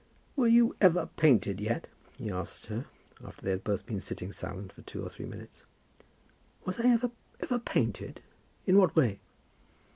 "Were you ever painted yet?" he asked her after they had both been sitting silent for two or three minutes. "Was I ever ever painted? In what way?"